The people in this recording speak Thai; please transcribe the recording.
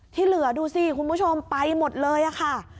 ที่เหลือดูสิคุณผู้ชมไปหมดเลยค่ะ